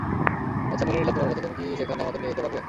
আচ্ছা, মেনে নিলাম তোমার কথা, তুমি কি সেখানে আমাদের নিয়ে যেতে পারবে?